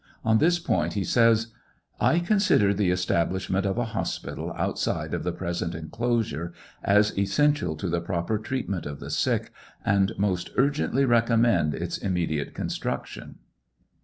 On this point he says : I consider the establishment of a hospital outside of the present enclosure as essential to the proper treatment of the sick, and most urgently recommend its immediate construction.